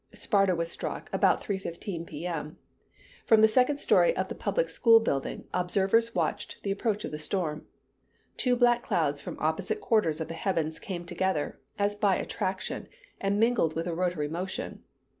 Sparta was struck about 3:15 P.M. From the second story of the public school building, observers watched the approach of the storm. Two black clouds from opposite quarters of the heavens came together, as by attraction, and mingled with a rotary motion.